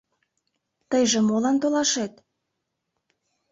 Тыйже молан толашет?